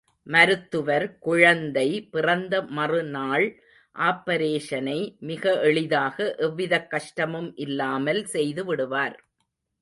மருத்துவர் குழந்தை பிறந்த மறு நாள் ஆப்பரேஷனை மிக எளிதாக எவ்விதக் கஷ்டமும் இல்லாமல் செய்துவிடுவார்.